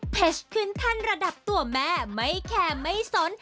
ขึ้นแท่นระดับตัวแม่ไม่แคร์ไม่สน